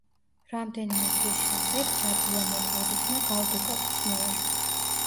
რამდენიმე თვის შემდეგ ჯაძია მოკლულ იქნა გალ დუკატის მიერ.